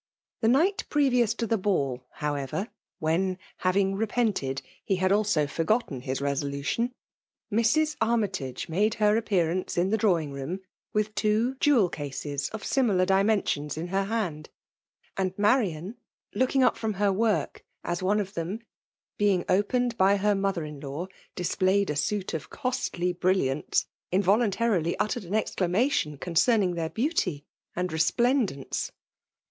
The night previous to the ball, howeveti w^^n, having repented^he had also forgotten his violation. Mis. Armytage made her appear anf e in the drawing room with two jewel cases of isimil^r dimensions in her hand ; and Mariaii» looldug up from her work, as one of them> befall; opened by her moiher in4aw> displayed lOS FKMALK DOMINATTON. « suit of costly brilliftnts» inToluntarilyuttered an exclamation concerning their beauty and resplendence.